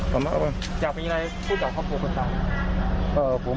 อยากเป็นอย่างไรพูดจากครอบครัวคนต่าง